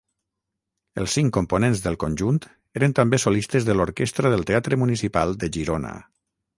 Els cinc components del conjunt eren també solistes de l'orquestra del Teatre Municipal de Girona.